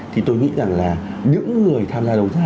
thì tôi nghĩ rằng là những người tham gia đấu giá